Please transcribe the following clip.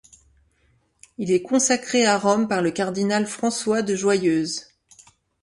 Il est consacré à Rome par le cardinal François de Joyeuse.